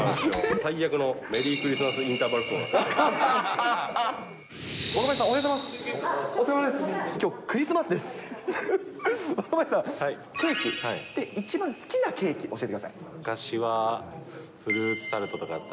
最悪のメリークリスマスインターバル走でした。